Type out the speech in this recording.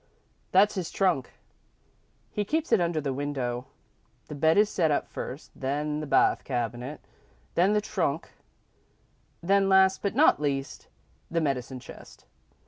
"That's his trunk. He keeps it under the window. The bed is set up first, then the bath cabinet, then the trunk, and last, but not least, the medicine chest.